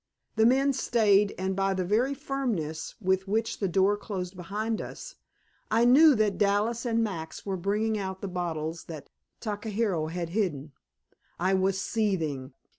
The men stayed, and by the very firmness with which the door closed behind us, I knew that Dallas and Max were bringing out the bottles that Takahiro had hidden. I was seething.